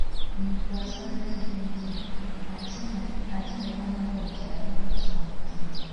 Omuntu bw’asaba ekintu ate ne bamuwa ekiralala tasanyuka.